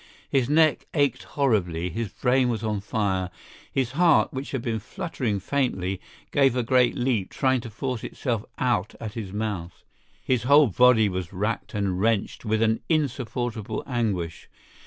His neck ached horribly; his brain was on fire, his heart, which had been fluttering faintly, gave a great leap, trying to force itself out at his mouth. His whole body was racked and wrenched with an insupportable anguish!